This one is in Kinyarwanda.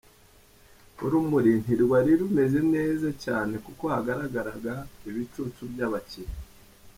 Urumuri ntirwari rumeze neza cyane kuko hagaragaraga ibicucu by’abakinnyi.